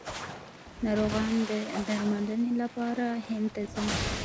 ناروغان د درملنې لپاره هند ته ځي.